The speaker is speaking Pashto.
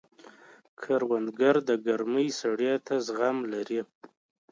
کروندګر د ګرمۍ سړې ته زغم لري